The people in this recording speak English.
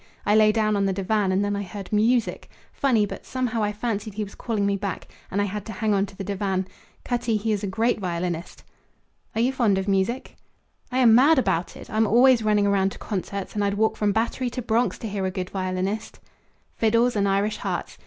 I lay down on the divan, and then I heard music. Funny, but somehow I fancied he was calling me back; and I had to hang on to the divan. Cutty, he is a great violinist." "Are you fond of music?" "I am mad about it! I'm always running round to concerts; and I'd walk from Battery to Bronx to hear a good violinist." Fiddles and Irish hearts.